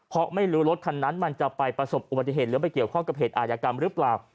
เพราะไม่รู้รถคันนั้นมันจะไปประสบอุบัติเหตุหรือไปเกี่ยวข้องกับเหตุอายกรรมหรือเปล่า